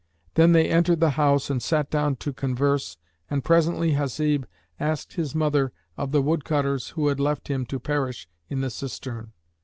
Then they entered the house and sat down to converse and presently Hasib asked his mother of the woodcutters, who had left him to perish in the cistern.